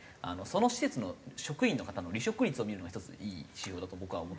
その施設の職員の方の離職率を見るのが１つのいい指標だと僕は思っていて。